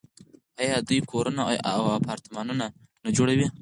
آیا دوی کورونه او اپارتمانونه نه جوړوي؟